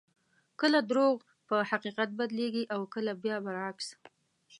کله درواغ په حقیقت بدلېږي او کله بیا برعکس.